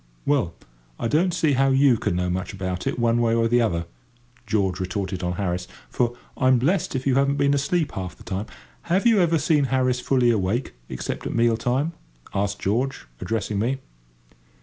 "Well, I don't see how you can know much about it, one way or the other," George retorted on Harris; "for I'm blest if you haven't been asleep half the time. Have you ever seen Harris fully awake, except at meal time?" asked George, addressing me.